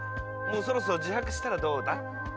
もうそろそろ自白したらどうだ？